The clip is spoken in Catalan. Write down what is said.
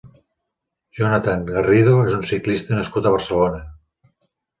Jonathan Garrido és un ciclista nascut a Barcelona.